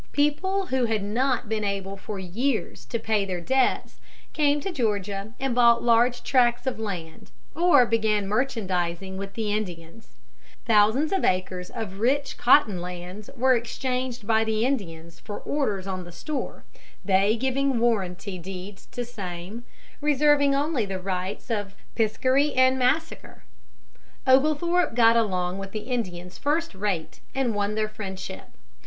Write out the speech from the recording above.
People who had not been able for years to pay their debts came to Georgia and bought large tracts of land or began merchandising with the Indians. Thousands of acres of rich cotton lands were exchanged by the Indians for orders on the store, they giving warranty deeds to same, reserving only the rights of piscary and massacre. [Illustration: NOT PAID THEIR DEBTS FOR YEARS.] Oglethorpe got along with the Indians first rate, and won their friendship.